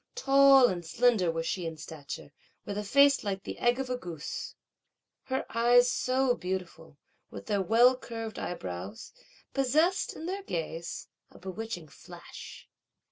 Tall and slender was she in stature, with a face like the egg of a goose. Her eyes so beautiful, with their well curved eyebrows, possessed in their gaze a bewitching flash.